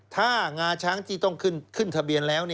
ถ้างาช้างที่ต้องขึ้นทะเบียนแล้ว